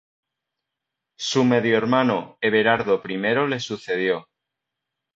Su medio hermano Everardo I le sucedió.